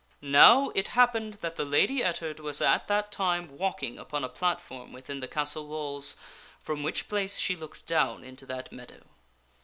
Now, it happened that the Lady Ettard was at that time walking upon a platform within the castle walls, from which place she looked down into that meadow.